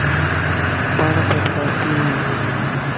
پاڻ سڀ لاسي ايان